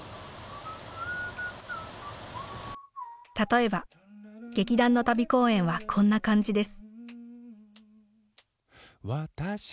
例えば劇団の旅公演はこんな感じです。